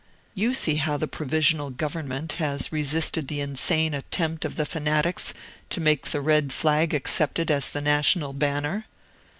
You see how the Provisional Government has resisted the insane attempt of the fanatics to make the red flag accepted as the national banner?"